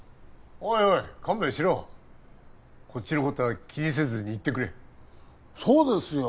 おいおい勘弁しろこっちのことは気にせずに行ってくれそうですよ